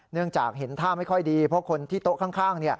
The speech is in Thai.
เนื่องจากเห็นท่าไม่ค่อยดีเพราะคนที่โต๊ะข้าง